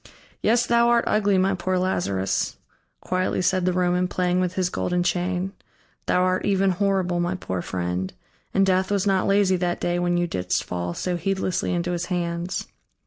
"Yes, thou art ugly, my poor Lazarus," quietly said the Roman, playing with his golden chain; "thou art even horrible, my poor friend; and Death was not lazy that day when thou didst fall so heedlessly into his hands.